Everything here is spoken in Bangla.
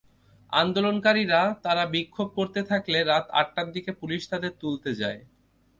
আন্দোলনকারীরা তারা বিক্ষোভ করতে থাকলে রাত আটটার দিকে পুলিশ তাদের তুলতে যায়।